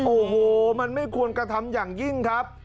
โอ้โหมันไม่ควรกระทำอย่างยิ่งครับ